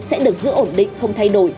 sẽ được giữ ổn định không thay đổi